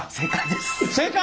正解！？